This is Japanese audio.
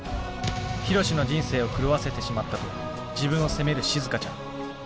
ヒロシの人生を狂わせてしまったと自分を責めるしずかちゃん。